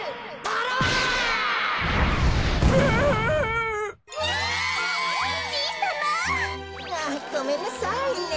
あっごめんなさいね。